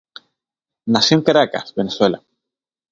Nació en Caracas, Venezuela.